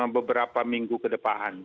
beberapa minggu kedepahan